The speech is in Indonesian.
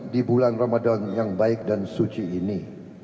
di bulan ramadan yang baik dan suci ini